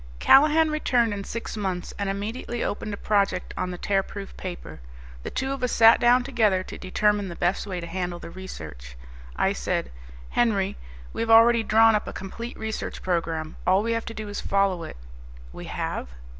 Callahan returned in six months and immediately opened a project on the Tearproof Paper. The two of us sat down together to determine the best way to handle the research. I said, "Henry, we have already drawn up a complete research program. All we have to do is follow it." "We have?"